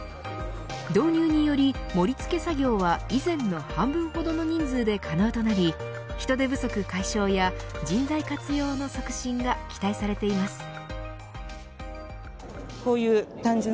導入により盛り付け作業は以前の半分ほどの人数で可能となり人手不足解消や人材活用の促進が期待されています。